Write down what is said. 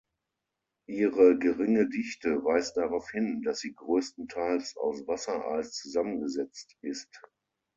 Ihre geringe Dichte weist darauf hin, dass sie größtenteils aus Wassereis zusammengesetzt ist.